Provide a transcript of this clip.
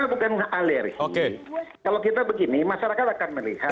bukan alergi kalau kita begini masyarakat akan melihat